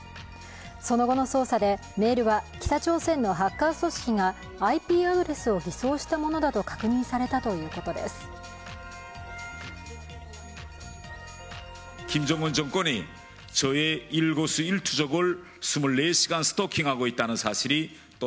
その後の捜査でメールは北朝鮮のハッカー組織がＩＰアドレスを偽装したものだと確認されたということです。